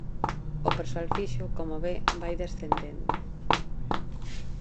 O persoal fixo, como ve, vai descendendo.